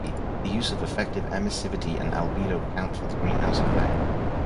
The use of effective emissivity and albedo account for the greenhouse effect.